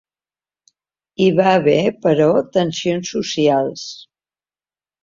Hi va haver però tensions socials.